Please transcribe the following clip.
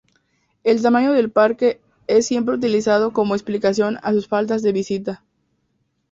El tamaño del parque es siempre utilizado como explicación a su falta de visitas.